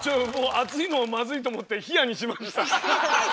熱いのはマズいと思って冷やにしました。